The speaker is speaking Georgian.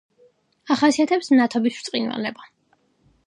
ახასიათებს მნათობის ბრწყინვალება.